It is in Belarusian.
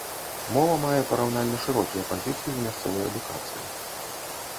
Мова мае параўнальна шырокія пазіцыі ў мясцовай адукацыі.